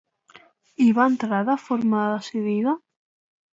Hi va entrar de forma decidida?